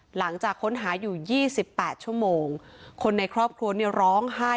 หลังจากค้นหาอยู่๒๘ชั่วโมงคนในครอบครัวเนี่ยร้องไห้